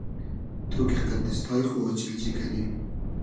تو کی قئد دیستای خو اۉچیلجی کئنی